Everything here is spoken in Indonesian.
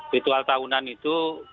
ritual tahunan itu